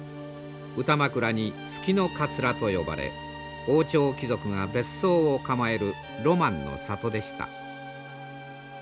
歌枕に「月の桂」と呼ばれ王朝貴族が別荘を構えるロマンの里でした。